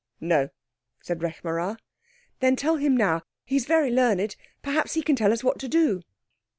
"No," said Rekh marā. "Then tell him now. He is very learned. Perhaps he can tell us what to do."